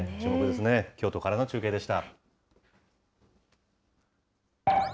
京都からの中継でした。